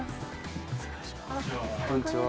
こんにちは。